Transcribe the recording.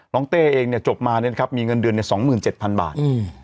น้องเต้เองเนี่ยจบมาเนี่ยครับมีเงินเดือนเนี่ยสองหมื่นเจ็ดพันบาทอืม